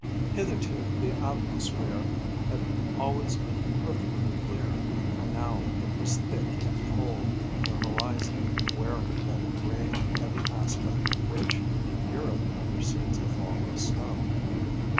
Hitherto the atmosphere had always been perfectly clear, but now it was thick and cold, the horizon wearing that gray, heavy aspect which in Europe precedes a fall of snow.